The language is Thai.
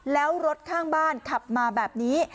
แล้วรถข้างบ้านขับมาแบบนี้